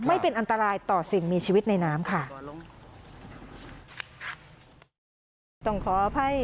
ไม่เป็นอันตรายต่อสิ่งมีชีวิตในน้ำค่ะ